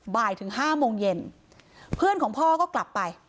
บ่ายถึงห้าโมงเย็นเพื่อนของพ่อก็กลับไป